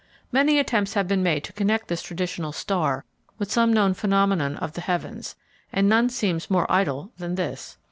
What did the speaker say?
Many attempts have been made to connect this traditional "star" with some known phenomenon of the heavens, and none seems more idle than this.